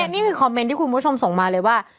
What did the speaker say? นี่คือคอมเมนต์ที่คุณผู้ชมส่งมาเลยว่า